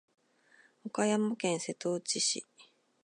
岡山県瀬戸内市